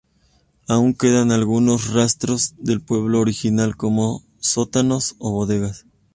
Aún quedan algunos rastros del pueblo original, como sótanos o bodegas.